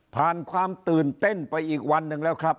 ความตื่นเต้นไปอีกวันหนึ่งแล้วครับ